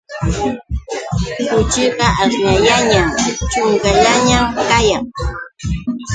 Kuchiqa aśhllayanñam, ćhunkallañam kayan.